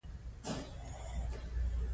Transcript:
خو ادبي نړۍ داسې بې حسه نه وه